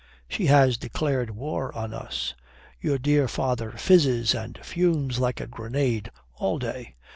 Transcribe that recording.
"She has declared war on us. Your dear father fizzes and fumes like a grenade all day.